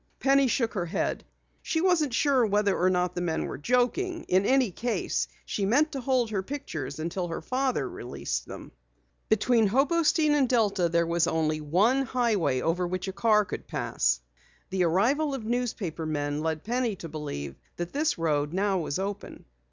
Penny shook her head. She wasn't sure whether or not the men were joking. In any case she meant to hold her pictures until her father released them. Between Hobostein and Delta there was only one highway over which a car could pass. The arrival of newspaper men led Penny to believe that this road now was open.